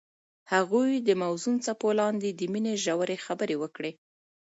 هغوی د موزون څپو لاندې د مینې ژورې خبرې وکړې.